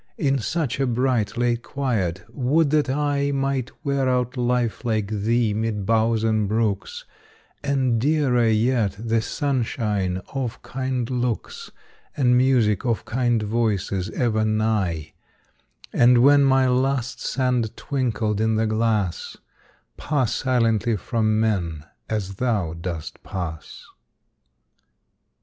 In such a bright, late quiet, would that I Might wear out life like thee, mid bowers and brooks, And, dearer yet, the sunshine of kind looks, And music of kind voices ever nigh; And when my last sand twinkled in the glass, Pass silently from men, as thou dost pass.